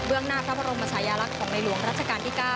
เรื่องหน้าพระบรมชายลักษณ์ของในหลวงรัชกาลที่๙